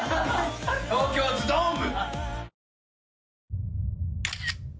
東京ズドーム！